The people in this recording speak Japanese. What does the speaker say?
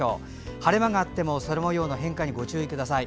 晴れ間があっても空もようの変化にご注意ください。